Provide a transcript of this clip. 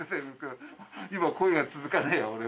今声が続かないよ